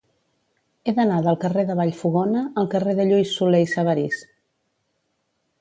He d'anar del carrer de Vallfogona al carrer de Lluís Solé i Sabarís.